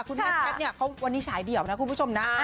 คุณแม่แพทนี่วันนี้สายเดี่ยวนะคุณผู้ชมนะ